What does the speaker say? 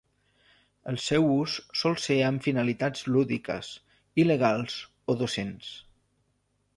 El seu ús sol ser amb finalitats lúdiques, il·legals o docents.